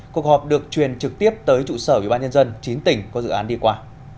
cuộc họp được truyền trực tiếp tới trụ sở ủy ban nhân dân chín tỉnh có dự án đi qua